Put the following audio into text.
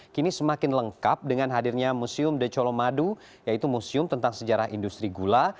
kini semakin lengkap dengan hadirnya museum the colomadu yaitu museum tentang sejarah industri gula